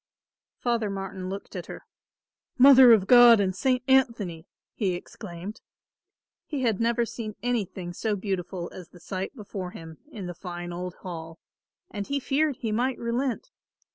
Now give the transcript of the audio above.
Father Martin looked at her. "Mother of God and St. Anthony!" he exclaimed. He had never seen anything so beautiful as the sight before him in the fine old hall and he feared he might relent.